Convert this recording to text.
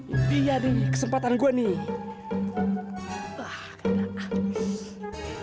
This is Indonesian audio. ini ya nih kesempatan gua nih